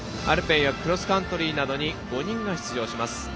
アルペンやクロスカントリーなどに５人が出場します。